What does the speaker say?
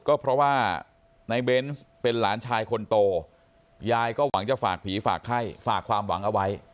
ก็เพราะว่าในเบนส์เป็นหลานชายคนโตยายก็หวังจะฝากผีฝากไข้ฝากความหวังเอาไว้